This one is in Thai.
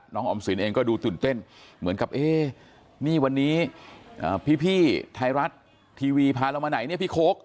ออมสินเองก็ดูตื่นเต้นเหมือนกับเอ๊ะนี่วันนี้พี่ไทยรัฐทีวีพาเรามาไหนเนี่ยพี่โค้ก